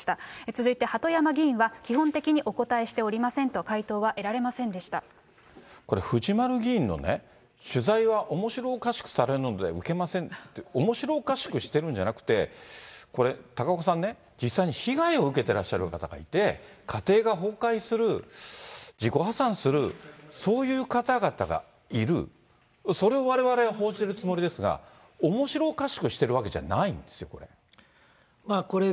続いて鳩山議員は基本的にお答えしておりませんと、回答は得られこれ、藤丸議員のね、取材はおもしろおかしくされるので受けませんって、おもしろおかしくしてるんじゃなくて、これ、高岡さんね、実際に被害を受けてらっしゃる方がいて、家庭が崩壊する、自己破産するそういう方々がいる、それをわれわれは報じてるつもりですが、おもしろおかしくしてるわけじゃないんですよ、これ。